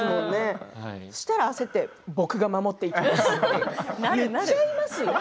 そしたら焦って「僕が守っていきます」って言っちゃいますよね。